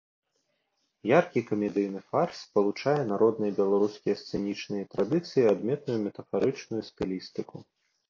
Яркі камедыйны фарс спалучае народныя беларускія сцэнічныя традыцыі і адметную метафарычную стылістыку.